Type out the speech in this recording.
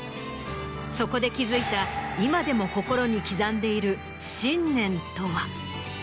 そこで気付いた今でも心に刻んでいる信念とは？